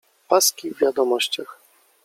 Paski w Wiadomościach